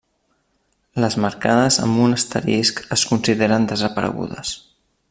Les marcades amb un asterisc es consideren desaparegudes.